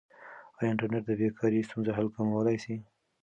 آیا انټرنیټ د بې کارۍ ستونزه حل کولای سي؟